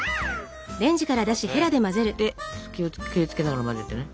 で気を付けながら混ぜてね。